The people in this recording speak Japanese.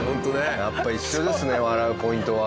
やっぱ一緒ですね笑うポイントは。